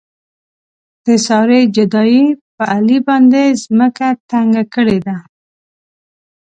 د سارې جدایۍ په علي باندې ځمکه تنګه کړې ده.